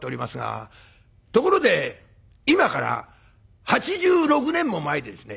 ところで今から８６年も前ですね